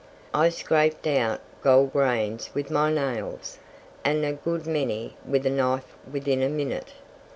I scraped out gold grains with my nails, and a good many with a knife within a minute.